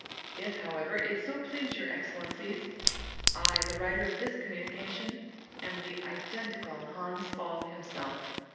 If, however, it so please your Excellencies, I, the writer of this communication, am the identical Hans Pfaall himself.